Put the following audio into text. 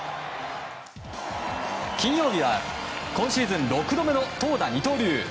金曜日は今シーズン６度目の投打二刀流。